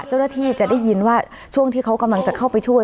เจ้าหน้าที่จะได้ยินว่าช่วงที่เขากำลังจะเข้าไปช่วย